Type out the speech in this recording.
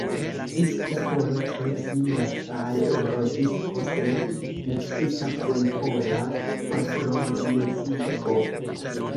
Disko polo tre similas al Eurodisko sed miksita kun pola folklormuziko.